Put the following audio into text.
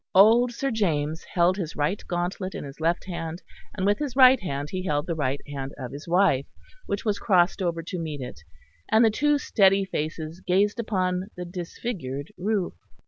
Old Sir James held his right gauntlet in his left hand, and with his right hand held the right hand of his wife, which was crossed over to meet it; and the two steady faces gazed upon the disfigured roof.